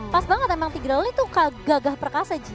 pas banget emang tigreal itu kagagah perkasa ji